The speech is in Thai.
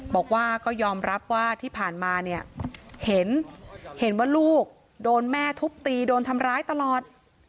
บอกว่าก็ยอมรับว่าที่ผ่านมาเนี่ยเห็นว่าลูกโดนแม่ทุบตีโดนทำร้ายตลอด